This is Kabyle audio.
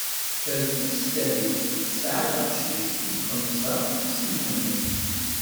Terfed s tadist, tesɛa-d aqcic wis xemsa i Si Mḥemmed.